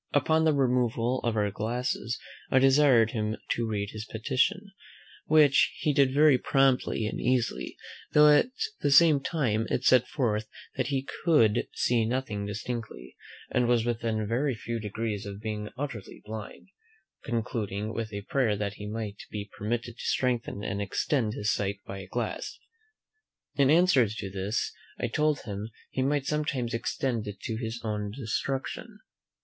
Upon the removal of our glasses I desired him to read his petition, which he did very promptly and easily; though at the same time it set forth that he could see nothing distinctly, and was within very few degrees of being utterly blind, concluding with a prayer that he might be permitted to strengthen and extend his sight by a glass. In answer to this I told him he might sometimes extend it to his own destruction.